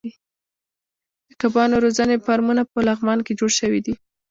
د کبانو روزنې فارمونه په لغمان کې جوړ شوي دي.